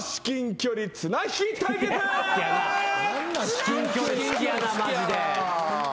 至近距離好きやなマジで。